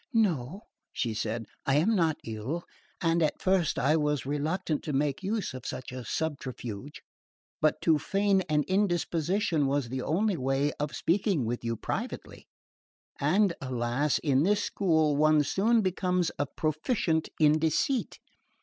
"No," she said, "I am not ill, and at first I was reluctant to make use of such a subterfuge; but to feign an indisposition was the only way of speaking with you privately, and, alas, in this school one soon becomes a proficient in deceit."